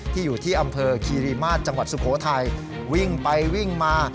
อยู่ที่อำเภอคีรีมาศจังหวัดสุโขทัยวิ่งไปวิ่งมา